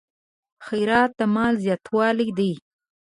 خیرات د مال زیاتوالی دی.